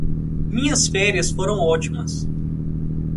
minhas férias foram ótimas